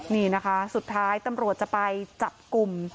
นี่นะคะสุดท้ายตำรวจจะไปจับกลุ่ม